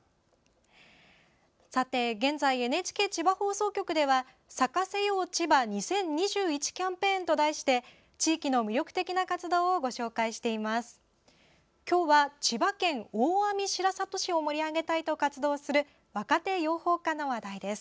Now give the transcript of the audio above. さて現在、ＮＨＫ千葉放送局では咲かせよう千葉２０２１キャンペーンと題して地域の魅力的な活動をご紹介しています。